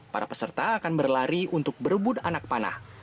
para peserta akan berlari untuk berebut anak panah